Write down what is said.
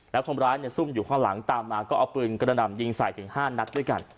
แล้วคนร้ายเนี่ยซุ่มอยู่ข้างหลังตามมาก็เอาปืนกระหน่ำยิงใส่ถึง๕นัดด้วยกัน